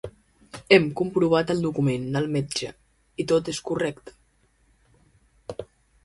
Hem comprovat el document del metge i tot és correcte.